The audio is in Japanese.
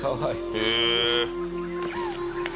へえ！